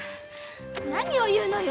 何を言うのよ